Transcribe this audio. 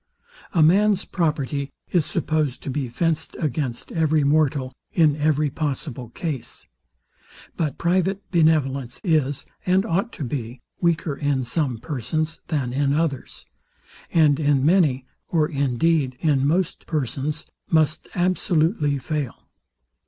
A man's property is supposed to be fenced against every mortal, in every possible case. But private benevolence is, and ought to be, weaker in some persons, than in others: And in many, or indeed in most persons, must absolutely fail.